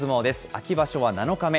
秋場所は７日目。